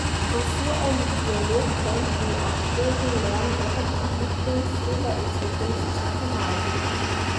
Aus so einem Dialog könnten Autoren lernen, ihre Lieblingsfehler in Zukunft zu vermeiden.